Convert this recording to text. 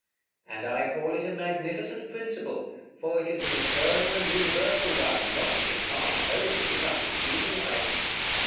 And I call it a magnificent principle, for it is an eternal and universal one, not in art only, but in human life.